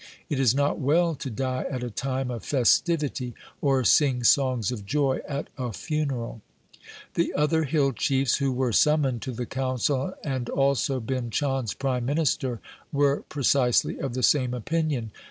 It is not well to die at a time of festivity, or sing songs of joy at a funeral.' The other hill chiefs who were summoned to the council and also Bhim Chand' s prime minister were precisely of the same opinion.